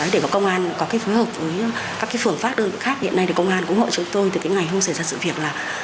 để công an có phối hợp với các phưởng pháp đơn vị khác hiện nay công an ủng hộ chúng tôi từ ngày hôm xảy ra sự việc là